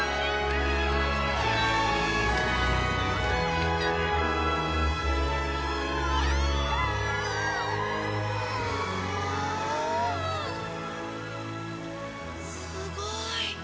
すごい。